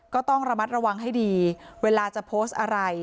ก็ต้องระมัดระวังให้ดีเวลาจะโพสต์อะไร